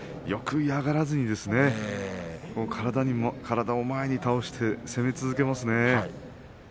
よく嫌がらずに体を前に倒して攻め続けますね。